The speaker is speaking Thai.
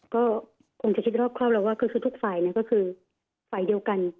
ก็คงจะคิดรอบครอบแล้วว่าคือทุกฝ่ายก็คือฝ่ายเดียวกัน